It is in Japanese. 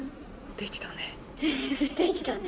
できたね。